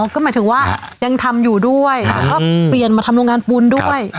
ก็หมายถึงว่ายังทำอยู่ด้วยแล้วก็เปลี่ยนมาทำโรงงานปูนด้วย